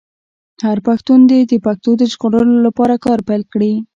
هر پښتون دې د پښتو د ژغورلو لپاره کار پیل کړي.